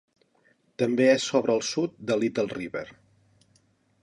També és sobre el sud de Little River.